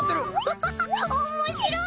ハハハッおもしろい！